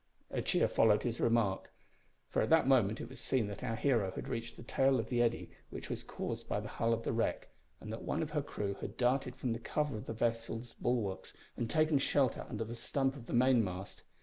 A cheer followed his remark, for at that moment it was seen that our hero had reached the tail of the eddy which was caused by the hull of the wreck, and that one of her crew had darted from the cover of the vessel's bulwarks and taken shelter under the stump of the mainmast.